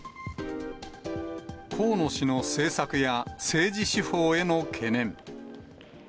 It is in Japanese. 河野氏の政策や、政治手法への懸念。